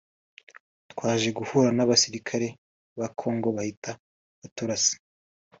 twaje guhura n’abasirikare ba Congo bahita baturasa